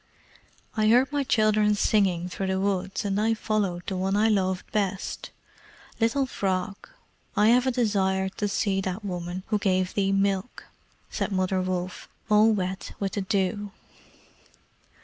"I heard my children singing through the woods, and I followed the one I loved best. Little Frog, I have a desire to see that woman who gave thee milk," said Mother Wolf, all wet with the dew.